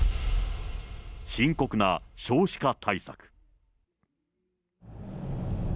深刻な少子化対策。